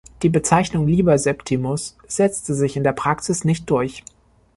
Die Bezeichnung Liber Septimus setzte sich in der Praxis nicht durch.